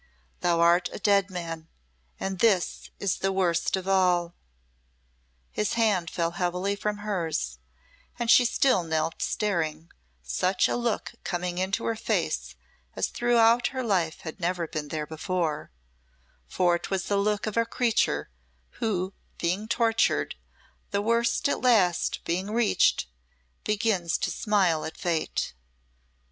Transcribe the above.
Thou art a dead man and this is the worst of all!" His hand fell heavily from hers, and she still knelt staring, such a look coming into her face as throughout her life had never been there before for 'twas the look of a creature who, being tortured, the worst at last being reached, begins to smile at Fate.